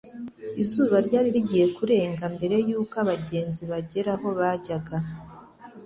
Izuba ryari rigiye kurenga mbere yuko abagenzi bagera aho bajyaga,